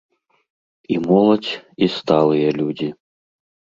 І моладзь, і сталыя людзі.